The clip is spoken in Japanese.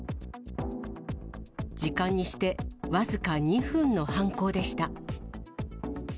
時間にして僅か２分の犯行でした。